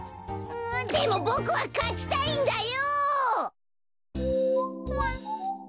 でもボクはかちたいんだよ！